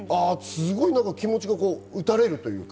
気持ちが打たれるというか。